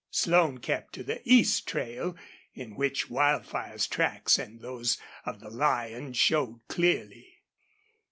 Slone kept to the east trail, in which Wildfire's tracks and those of the lion showed clearly.